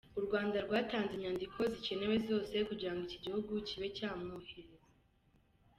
U Rwanda rwatanze inyandiko zikenewe zose kugira ngo iki gihugu kibe cyamwohereza.